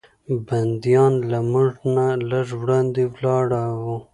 بندیان له موږ نه لږ وړاندې ولاړ و.